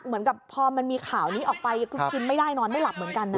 เหมือนกับพอมันมีข่าวนี้ออกไปคือกินไม่ได้นอนไม่หลับเหมือนกันนะ